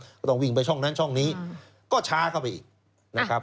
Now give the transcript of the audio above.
ก็ต้องวิ่งไปช่องนั้นช่องนี้ก็ช้าเข้าไปอีกนะครับ